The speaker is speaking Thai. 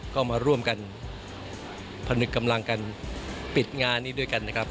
ก็มาร่วมกันพนึกกำลังกันปิดงานนี้ด้วยกันนะครับ